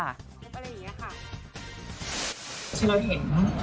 เราเห็น